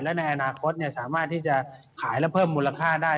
และในอนาคตสามารถที่จะขายและเพิ่มมูลค่าได้